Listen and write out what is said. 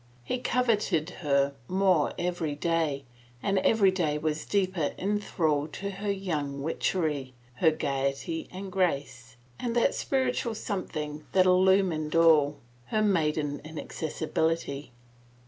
He coveted her more every day and every day was deeper in thrall to her young witchery, her gayety and grace, and that spiritual something that illumined all — her maiden inaccessibility.